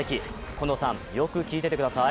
近藤さん、よく聞いていてください。